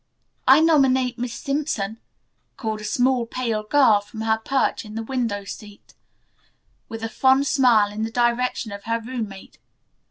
"I nominate Miss Sampson," called a small pale girl from her perch in the window seat, with a fond smile in the direction of her roommate.